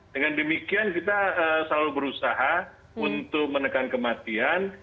dengan demikian kita selalu berusaha untuk menekan kematian